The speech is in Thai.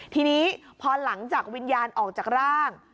ทีนี้พอหลังจากวิญญาณออกจากร่าง